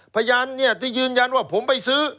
พยานที่ยืนยันว่าผมไปซื้อ